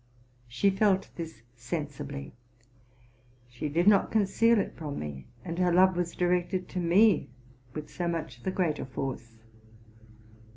She felt this sensibly: she did not conceal it from me, and her love was directed to me with so much the greater force.